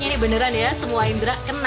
wow ini beneran ya semua indera kena